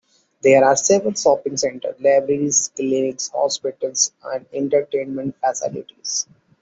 There are several shopping centres, libraries, clinics, hospitals and entertainment facilities.